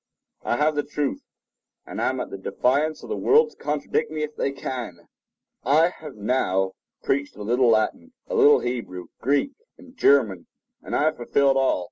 I have the truth, and am at the defiance of the world to contradict me, if they can. I have now preached a little Latin, a little Hebrew, Greek, and German; and I have fulfilled all.